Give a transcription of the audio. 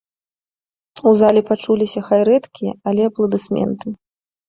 У зале пачуліся хай рэдкія, але апладысменты.